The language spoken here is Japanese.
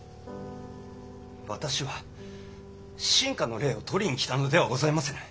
私は臣下の礼を取りに来たのではございませぬ。